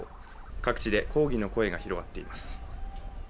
各地で抗議の声が広がっています。